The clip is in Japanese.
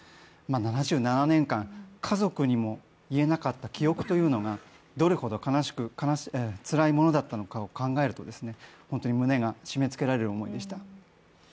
７７年間、家族にも言えなかった記憶というのがどれほど悲しく、つらいものだったのかを考えると、本当に胸が締めつけられる思いでした。